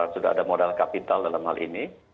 sudah ada modal kapital dalam hal ini